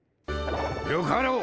よかろう。